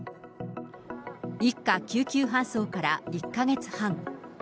一家救急搬送から１か月半。